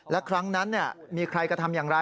และครั้งนั้นมีใครกระทำอย่างไร